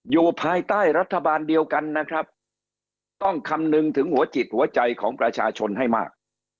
อยู่ภายใต้รัฐบาลเดียวกันนะครับต้องคำนึงถึงหัวจิตหัวใจของประชาชนให้มาก